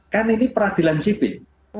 kan ini peradilan sipil